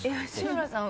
吉村さん